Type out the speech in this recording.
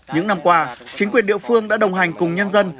những năm qua chính quyền địa phương đã đồng hành cùng nhân dân